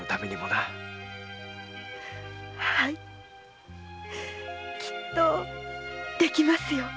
きっとできますよ。